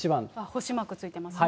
星マークついてますね。